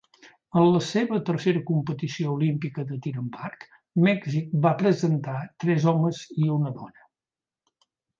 En la seva tercera competició olímpica de tir amb arc, Mèxic va presentar tres homes i una dona.